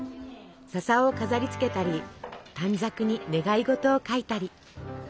笹を飾りつけたり短冊に願い事を書いたり。